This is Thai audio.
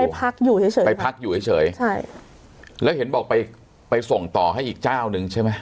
พักอยู่เฉยเฉยไปพักอยู่เฉยเฉยใช่แล้วเห็นบอกไปไปส่งต่อให้อีกเจ้านึงใช่ไหม